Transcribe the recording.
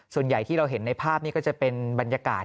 ส่วนใหญ่ที่เราเห็นในภาพนี้ก็จะเป็นบรรยากาศ